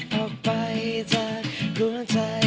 ขอบคุณค่ะ